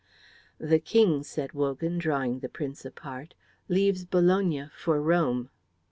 "The King," said Wogan, drawing the Prince apart, "leaves Bologna for Rome."